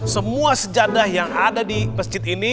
semua sejadah yang ada di masjid ini